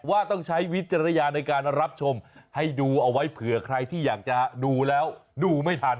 ว่าต้องใช้วิจารณญาณในการรับชมให้ดูเอาไว้เผื่อใครที่อยากจะดูแล้วดูไม่ทัน